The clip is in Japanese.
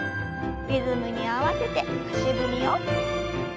リズムに合わせて足踏みを。